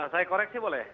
saya koreksi boleh